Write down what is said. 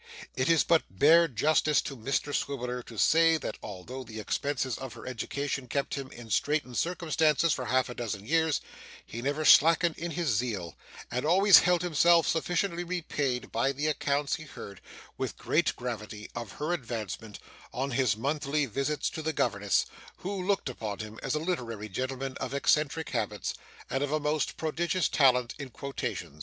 It is but bare justice to Mr Swiveller to say, that, although the expenses of her education kept him in straitened circumstances for half a dozen years, he never slackened in his zeal, and always held himself sufficiently repaid by the accounts he heard (with great gravity) of her advancement, on his monthly visits to the governess, who looked upon him as a literary gentleman of eccentric habits, and of a most prodigious talent in quotation.